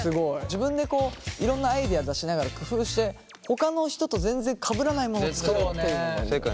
自分でいろんなアイデア出しながら工夫してほかの人と全然かぶらない物を作るっていうのがいいよね。